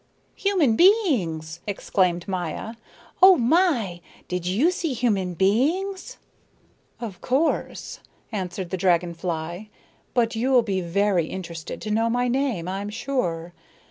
"Human beings!" exclaimed Maya. "Oh my, did you see human beings?" "Of course," answered the dragon fly. "But you'll be very interested to know my name, I'm sure.